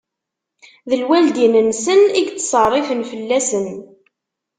D lwaldin-nsen i yettṣerrifen fell-asen.